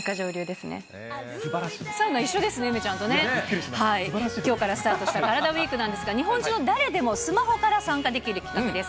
すばらしきょうからスタートしたカラダＷＥＥＫなんですが、日本中の誰でもスマホから参加できる企画です。